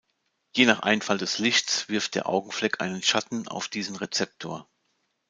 Je nach Einfall des Lichtes wirft der Augenfleck einen Schatten auf diesen Rezeptor.